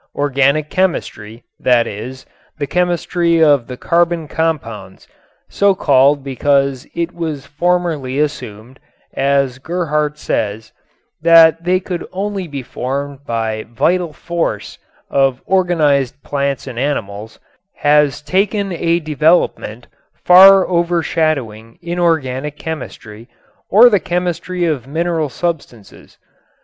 Organic chemistry, that is, the chemistry of the carbon compounds, so called because it was formerly assumed, as Gerhardt says, that they could only be formed by "vital force" of organized plants and animals, has taken a development far overshadowing inorganic chemistry, or the chemistry of mineral substances.